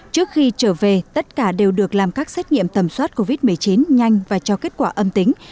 trước khi trở về tất cả đều được làm các xét nghiệm tầm soát covid một mươi chín nhanh và cho kết quả âm tính